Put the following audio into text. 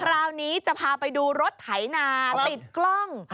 คราวนี้จะพาไปดูรถไถนาติดกล้อง